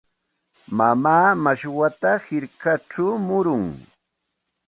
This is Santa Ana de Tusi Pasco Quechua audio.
Mamaa mashwata hirkachaw murun.